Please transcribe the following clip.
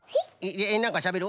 えっなんかしゃべる？